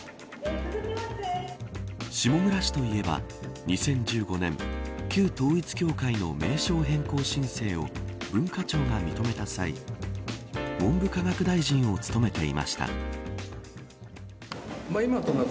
下村氏といえば、２０１５年旧統一教会の名称変更申請を文化庁が認めた際文部科学大臣を務めていました。